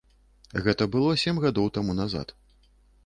Гэта было сем гадоў таму назад.